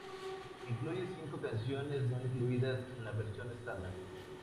Incluye cinco canciones no incluidas en la versión estándar.